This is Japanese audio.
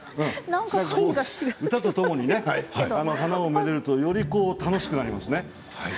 歌とともに花をめでるととても楽しくなりますね。